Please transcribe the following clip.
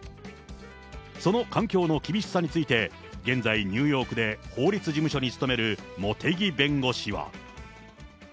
その環境の厳しさについて、現在、ニューヨークで法律事務所に勤める茂木弁護士は。